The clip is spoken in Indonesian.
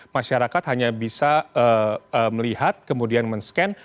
masyarakat hanya bisa melihat kemudian men scan